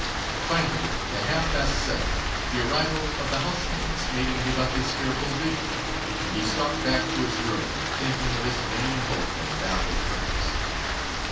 Finally, at half past seven, the arrival of the housemaids made him give up his fearful vigil, and he stalked back to his room, thinking of his vain hope and baffled purpose.